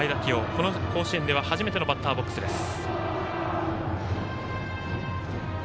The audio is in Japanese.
この甲子園では初めてのバッターボックスです。